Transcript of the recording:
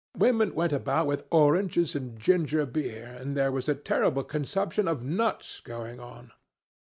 Women went about with oranges and ginger beer, and there was a terrible consumption of nuts going on."